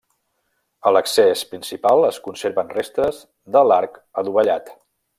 A l'accés principal es conserven restes de l'arc adovellat.